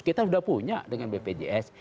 kita sudah punya dengan bpjs